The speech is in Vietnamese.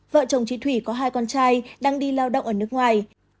vợ chồng chị thủy có hai con trai đang đi lao động ở nước ngoài